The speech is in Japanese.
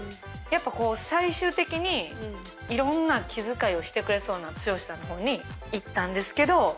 やっぱ最終的にいろんな気遣いをしてくれそうな剛さんの方にいったんですけど。